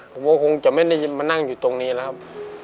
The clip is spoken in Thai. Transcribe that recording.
ผมก็คงจะไม่ได้มานั่งอยู่ตรงนี้แล้วครับ